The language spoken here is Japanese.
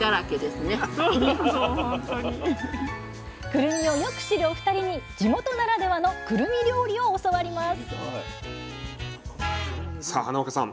くるみをよく知るお二人に地元ならではのくるみ料理を教わりますさあ花岡さん